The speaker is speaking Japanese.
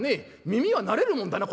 耳は慣れるもんだな